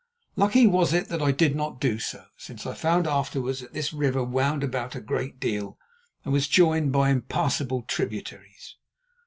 Lucky was it that I did not do so, since I found afterwards that this river wound about a great deal and was joined by impassable tributaries.